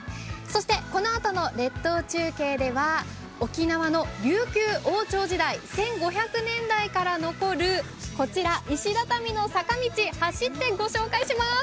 そしてこのあとの列島中継では沖縄の琉球王朝時代、１５００年代から残り石畳の坂道走ってご紹介します。